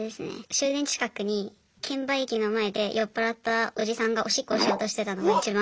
終電近くに券売機の前で酔っ払ったおじさんがおしっこしようとしてたのが一番。